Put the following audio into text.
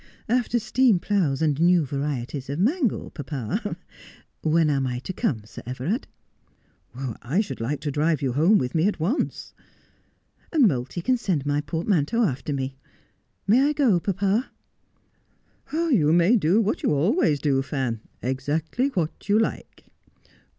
'After steam ploughs and new varieties of mangel, papa. When am I to come, Sir Everard ?'' I should like to drive you home with me at once.' ' And Moulty can send my portmanteau after me. May I go, papa 1 '' You may do what you always do, Fan, exactly what you like.'